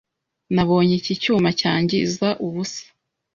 Nabonye iki cyuma cyangiza ubusa.